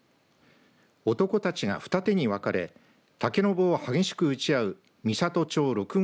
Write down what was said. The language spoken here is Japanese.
男たちが二手に分かれ竹の棒を激しく打ち合う美郷町六郷